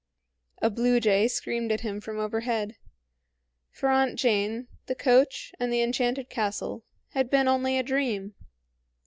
A blue jay screamed at him from overhead. For Aunt Jane, the coach, and the enchanted castle had been only a dream.